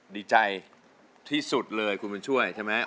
ดีใจที่สุดเลยคุณบุญช่วยใช่ไหม